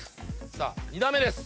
さあ２打目です。